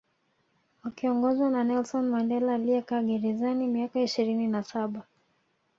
Wakiongozwa na Nelson Mandela aliyekaa gerezani miaka ishirini na Saba